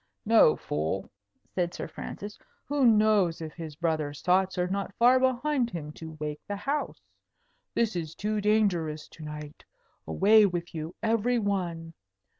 "No, fool!" said Sir Francis. "Who knows if his brother sots are not behind him to wake the house? This is too dangerous to night. Away with you, every one.